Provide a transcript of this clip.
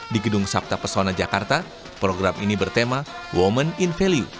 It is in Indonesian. di gedung sabta pesona jakarta program ini bertema women in value